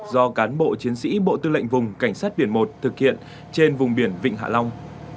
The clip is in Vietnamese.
do cán bộ chiến sĩ bộ tư lệnh vùng cảnh sát biển một thực hiện trên vùng biển vịnh hạ long